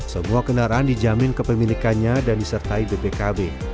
semua kendaraan dijamin kepemilikannya dan disertai bbkb